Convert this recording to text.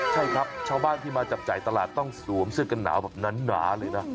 ใช่ครับชาวบ้านที่มาจับจ่ายตลาดต้องสวมเสื้อกันหนาวแบบหนาเลยนะ